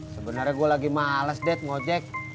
sebenernya gua lagi males date ngojek